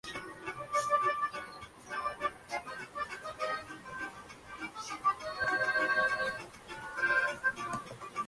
Los nombres de las canciones ya dan cuenta del espíritu del grupo.